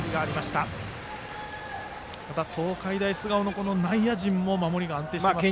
ただ東海大菅生の内野陣も守りが安定していますね。